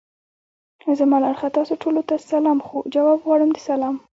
زما له اړخه تاسو ټولو ته سلام خو! جواب غواړم د سلام.